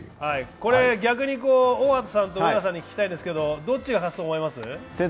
これ逆に大畑さんと上原さんに聞きたいのですがどっちが勝つと思います？